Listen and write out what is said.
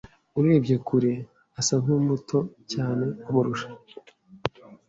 Urebye kure, asa nkumuto cyane kumurusha.